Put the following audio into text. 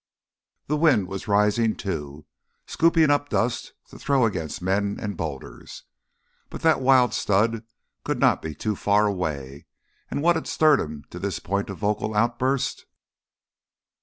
The wind was rising, too, scooping up dust to throw against men and boulders. But that wild stud could not be too far away, and what had stirred him to this point of vocal outburst?